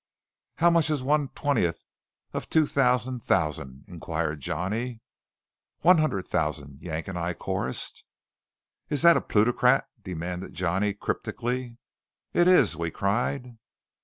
"How much is one twentieth of two thousand thousand?" inquired Johnny. "One hundred thousand," Yank and I chorused. "Is that a plutocrat?" demanded Johnny cryptically. "It is!" we cried.